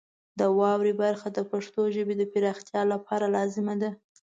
د واورئ برخه د پښتو ژبې د پراختیا لپاره لازمه ده.